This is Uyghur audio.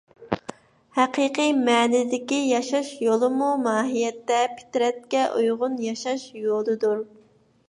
ھەقىقىي مەنىدىكى ياشاش يولىمۇ ماھىيەتتە پىترەتكە ئۇيغۇن ياشاش يولىدۇر.